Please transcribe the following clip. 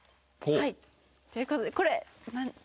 はいということでこれ！